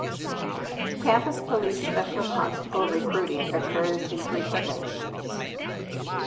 Campus Police Special Constable recruiting occurs infrequently.